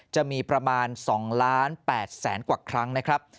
จะมีประมาณ๒ล้าน๘แสนกว่าครั้งนะครับ